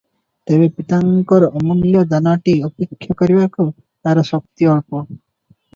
ତେବେ ପିତାଙ୍କର ଅମୂଲ୍ୟ ଦାନଟି ଉପେକ୍ଷା କରିବାକୁ ତାର ଶକ୍ତି ଅଳ୍ପ ।